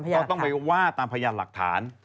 ก็ต้องไปว่าตามพยานหลักฐาน